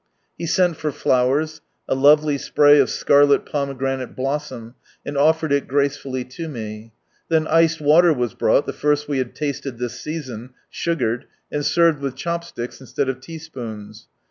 He sent for flowers, a lovely spray of scarlet pomegranate blossom, and offered it gracefully to me. Then iced water was brought, the first we had tasted this season, sugared, and served with chopsticks instead of teaspoons.